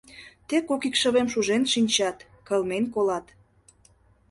— Тек кок икшывем шужен шинчат, кылмен колат!»